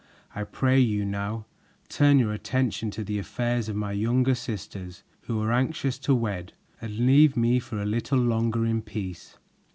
I pray you now, turn your attention to the affairs of my younger sisters, who are anxious to wed, and leave me for a little longer in peace."